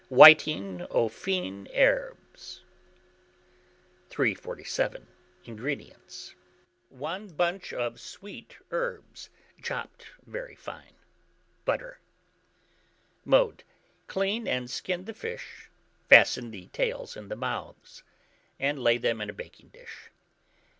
WHITING AUX FINE HERBES. 347. INGREDIENTS. 1 bunch of sweet herbs chopped very fine; butter. Mode. Clean and skin the fish, fasten the tails in the mouths; and lay them in a baking dish.